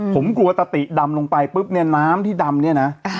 ผมกลัวตะติดำลงไปปุ๊บเนี่ยน้ำที่ดำเนี่ยนะ